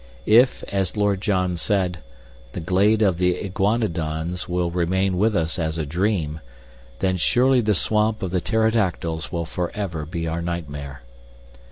If, as Lord John said, the glade of the iguanodons will remain with us as a dream, then surely the swamp of the pterodactyls will forever be our nightmare.